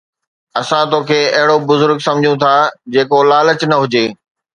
اسان توکي اهڙو بزرگ سمجهون ٿا جيڪو لالچ نه هجي